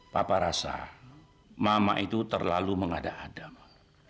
papa rasa mama itu terlalu mengada ada ma